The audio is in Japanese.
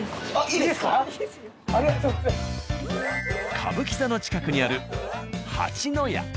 歌舞伎座の近くにある「蜂の家」。